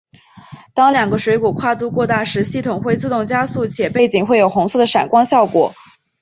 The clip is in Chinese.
当两个水果跨度过大时系统会自动加速且背景会有红色的闪光效果。